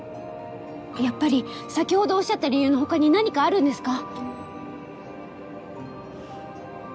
やっぱり先ほどおっしゃった理由のほかに何かあるんですか？